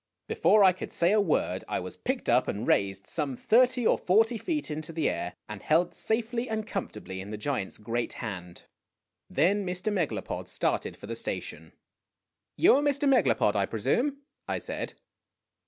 " Before I could say a word, I was picked up and raised some thirty or forty feet into the air, and held safely and comfortably in the giant's great hand. Then Mr. Megalopod started for the station. " You are Mr. Megalopod, I presume," I said.